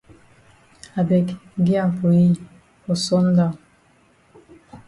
I beg gi am for yi for sun down.